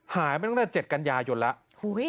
หายไปตั้งแต่๗กัญญายนแล้ว